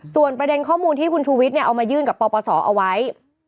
ส่วนประเด็นข้อมูลที่คุณชูวิทย์เอามายื่นกับปปศเอาไว้